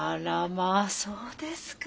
まあそうですか。